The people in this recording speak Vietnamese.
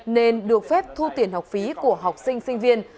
nên được phép thu tiền học phí của học sinh sinh viên